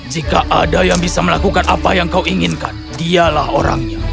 jika ada yang bisa melakukan apa yang kau inginkan dialah orangnya